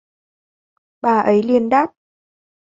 bà ấy liền đáp